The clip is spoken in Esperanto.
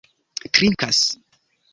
trinkas